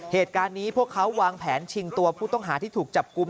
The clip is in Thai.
เหตุการณ์นี้พวกเขาวางแผนชิงตัวผู้ต้องหาที่ถูกจับกลุ่ม